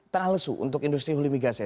tengah lesu untuk industri hulu migasnya